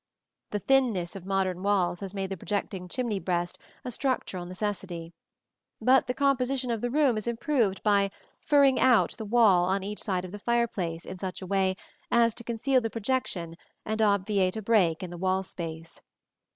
The thinness of modern walls has made the projecting chimney breast a structural necessity; but the composition of the room is improved by "furring out" the wall on each side of the fireplace in such a way as to conceal the projection and obviate a break in the wall space.